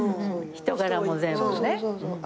人柄も全部ね。